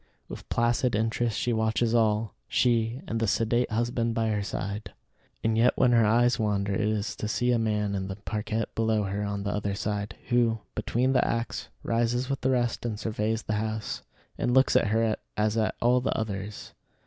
With placid interest she watches all she, and the sedate husband by her side. And yet when her eyes wander it is to see a man in the parquette below her on the other side, who, between the acts, rises with the rest and surveys the house, and looks at her as at all the others.